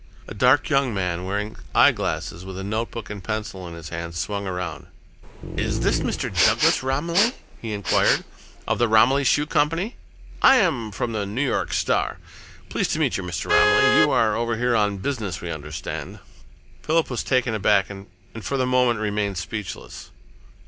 A dark young man, wearing eyeglasses, with a notebook and pencil in his hand, swung around. "Is this Mr. Douglas Romilly," he enquired, "of the Romilly Shoe Company? I am from the New York Star. Pleased to meet you, Mr. Romilly. You are over here on business, we understand?" Philip was taken aback and for the moment remained speechless.